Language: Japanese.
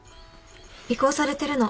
尾行されてるの。